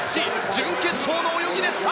準決勝の泳ぎでした！